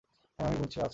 হ্যাঁ, আমি বলছি আছে।